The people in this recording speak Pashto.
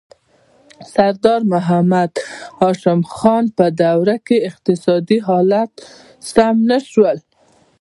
د سردار محمد هاشم خان په دوره کې اقتصادي حالات سم نه شول.